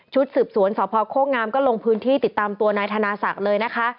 สืบสวนสพโคกงามก็ลงพื้นที่ติดตามตัวนายธนาศักดิ์เลยนะคะ